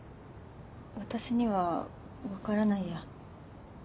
私には分からないや。